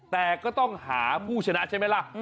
แต่ก็ต้องหาผู้ชนะใช่ไหมล่ะ